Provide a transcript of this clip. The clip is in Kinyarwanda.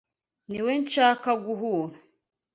Ni we nshaka guhura.